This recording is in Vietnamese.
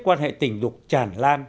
quan hệ tình dục tràn lan